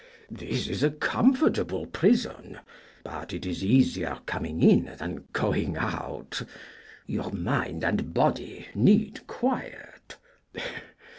This is a comfortable prison, but it is easier coming in than going out. Your mind and body need quiet.